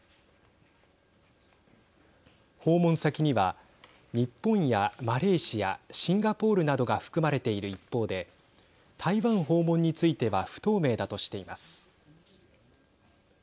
訪問先には日本やマレーシアシンガポールなどが含まれている一方で台湾訪問については不透明だとしています。